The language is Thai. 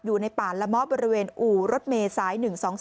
อยู่ในป่าละเมาะบริเวณอู่รถเมษาย๑๒๔